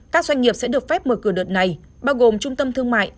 các doanh nghiệp sẽ được phép mở cửa đợt này bao gồm trung tâm thương mại